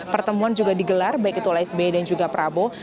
pertemuan juga digelar baik itu oleh sby dan juga prabowo